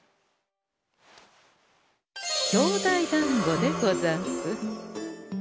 兄弟だんごでござんす。